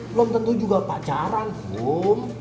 belum tentu juga pacaran belum